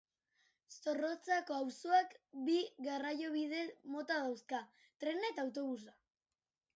Zorrotzako auzoak bi garraiobide mota dauzka, trena eta autobusa.